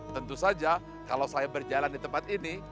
tentu saja kalau saya berjalan di tempat ini